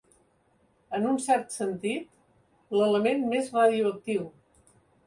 En un cert sentit, l'element més radioactiu.